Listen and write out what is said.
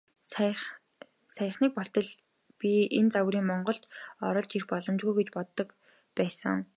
Саяхныг болтол би энэ загварыг Монголд оруулж ирэх боломжгүй гэж бодож байсан.